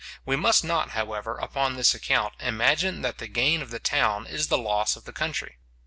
We must not, however, upon this account, imagine that the gain of the town is the loss of the country.